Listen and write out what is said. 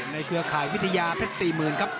ในเกี่ยวข่ายวิทยาแพลต์๔๐บาทครับ